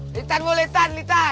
litan litan litan